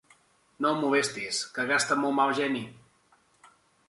No el molestis, que gasta molt mal geni.